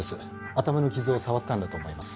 頭の傷を触ったんだと思います。